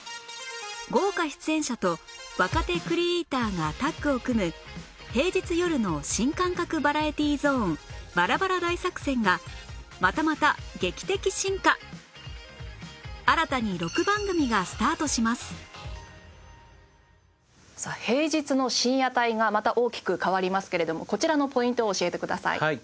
豪華出演者と若手クリエイターがタッグを組む平日夜の新感覚バラエティーゾーンバラバラ大作戦がまたまた劇的進化！さあ平日の深夜帯がまた大きく変わりますけれどもこちらのポイントを教えてください。